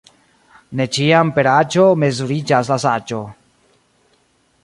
Ne ĉiam per aĝo mezuriĝas la saĝo.